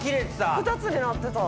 ２つになってた。